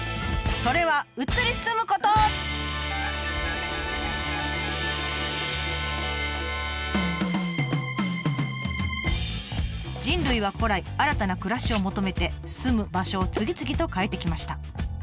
それは人類は古来新たな暮らしを求めて住む場所を次々と変えてきました。